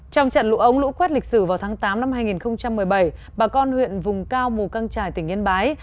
trong trận lũ ống lũ quét lịch sử vào tháng tám năm hai nghìn một mươi bảy bà con huyện vùng cao mù căng trải tỉnh yên bái